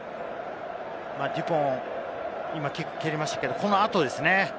デュポン、今キック蹴りましたけれども、この後ですね。